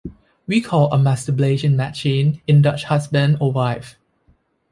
We call a masturbation machine a Dutch husband or wife.